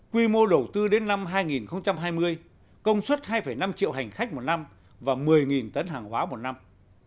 quy mô đầu tư đến năm hai nghìn hai mươi công suất hai năm triệu hành khách một năm và một mươi tấn hàng hóa một năm